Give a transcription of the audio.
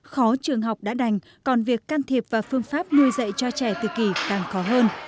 khó trường học đã đành còn việc can thiệp và phương pháp nuôi dạy cho trẻ tự kỳ càng khó hơn